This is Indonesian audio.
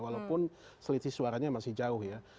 walaupun selisih suaranya masih jauh ya